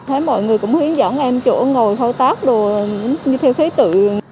thế mọi người cũng hiến dẫn em chỗ ngồi thao tác đồ như theo thế tự